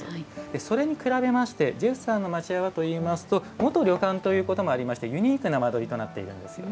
それに比べましてジェフさんの町家はといいますと元旅館ということもありましてユニークな間取りとなっているんですよね。